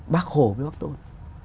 bác hồ với bác tôn